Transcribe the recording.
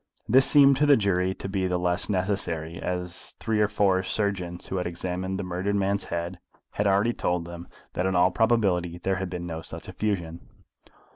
This seemed to the jury to be the less necessary, as three or four surgeons who had examined the murdered man's head had already told them that in all probability there had been no such effusion.